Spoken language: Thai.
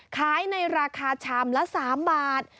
ขายในราคาชามละ๓บาท